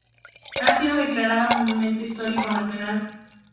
Ha sido declarada Monumento Histórico Nacional.